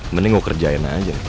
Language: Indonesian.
mending gue kerjain aja